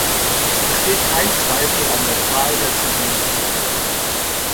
Es besteht kein Zweifel an der Zahl der zivilen Toten.